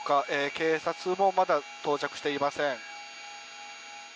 警察もまだ到着していません。